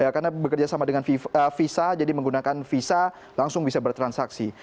karena bekerja sama dengan visa jadi menggunakan visa langsung bisa bertransaksi